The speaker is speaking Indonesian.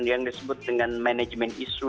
yang disebut dengan manajemen isu